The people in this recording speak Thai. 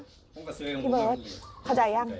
พี่เบิร์ตเข้าใจยัง